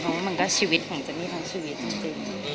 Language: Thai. เพราะว่ามันก็ชีวิตของเจนนี่ทั้งชีวิตจริง